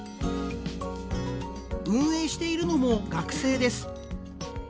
運営しているのも学生です。